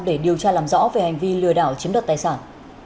để điều tra làm rõ về hành vi lừa đảo chiếm đoạt tài sản